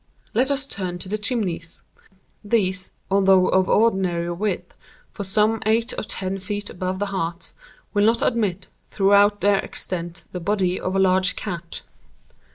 Let us turn to the chimneys. These, although of ordinary width for some eight or ten feet above the hearths, will not admit, throughout their extent, the body of a large cat.